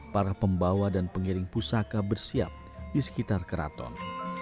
para pembawa dan pengiring pusaka bersiap di sekitar keraton